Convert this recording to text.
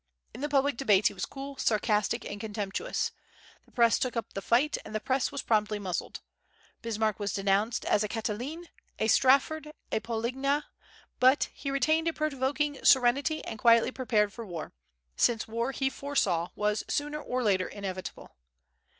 In the public debates he was cool, sarcastic, and contemptuous. The Press took up the fight, and the Press was promptly muzzled. Bismarck was denounced as a Catiline, a Strafford, a Polignac; but he retained a provoking serenity, and quietly prepared for war, since war, he foresaw, was sooner or later inevitable.